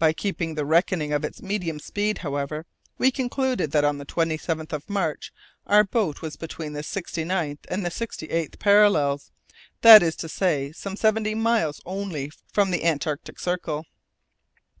By keeping the reckoning of its medium speed, however, we concluded that on the 27th of March our boat was between the sixty ninth and the sixty eighth parallels, that is to say, some seventy miles only from the Antarctic Circle.